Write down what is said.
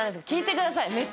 聞いてください。